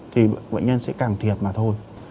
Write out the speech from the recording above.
thì bệnh nhân sẽ càng thiệt mà thôi